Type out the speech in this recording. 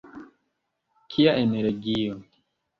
Kia energio!